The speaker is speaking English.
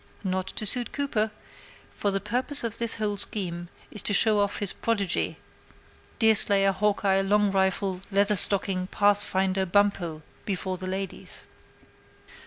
Not to suit Cooper; for the purpose of this whole scheme is to show off his prodigy, Deerslayer Hawkeye Long Rifle Leather Stocking Pathfinder Bumppo before the ladies.